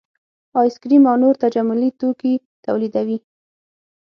ایس کریم او نور تجملي توکي تولیدوي